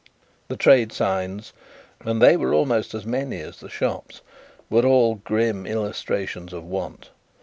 The trade signs (and they were almost as many as the shops) were, all, grim illustrations of Want.